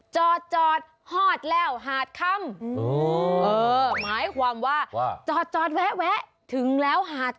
จอดจอด